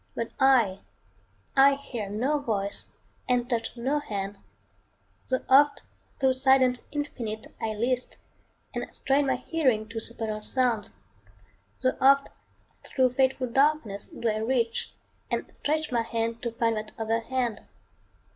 But I I hear no voice and touch no hand, Tho' oft thro' silence infinite, I list, And strain my hearing to supernal sounds; Tho' oft thro' fateful darkness do I reach, And stretch my hand to find that other hand.